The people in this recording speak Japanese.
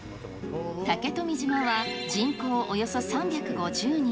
竹富島は人口およそ３５０人。